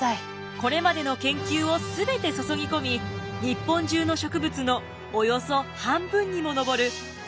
これまでの研究を全て注ぎ込み日本中の植物のおよそ半分にも上る３，２０６種類を掲載。